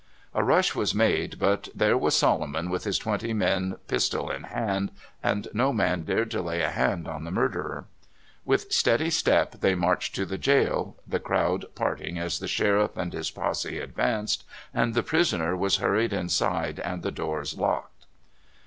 A rush was made, but there was Solomon with his twenty men pistol in hand, and no man dared to lay a hand on the murderer. With steady step they marched to the jail, the crowd parting as the sheriff and his posse advanced, and the prisoner was hurried inside and the doors locked.